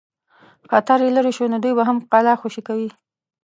خطر لیري شو نو دوی به هم قلا خوشي کوي.